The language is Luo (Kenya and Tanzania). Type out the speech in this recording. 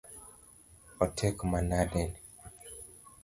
Otek manade ni